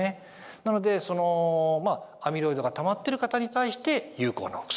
なのでそのアミロイドがたまってる方に対して有効なお薬である。